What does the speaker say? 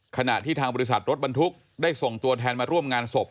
ขณะที่ทางบริษัทรถบรรทุกได้ส่งตัวแทนมาร่วมงานศพ